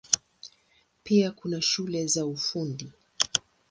Pia kuna shule za Ufundi.